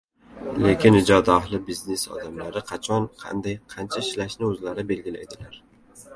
Lekin ijod ahli, biznes odamlari qachon, qanday, qancha ishlashni o‘zlari belgilaydilar.